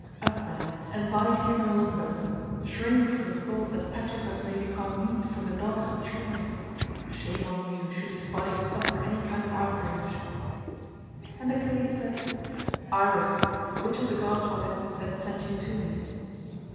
Up, then, and bide here no longer; shrink from the thought that Patroclus may become meat for the dogs of Troy. Shame on you, should his body suffer any kind of outrage." And Achilles said, "Iris, which of the gods was it that sent you to me?"